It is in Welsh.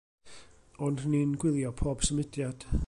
Ond ni'n gwylio pob symudiad.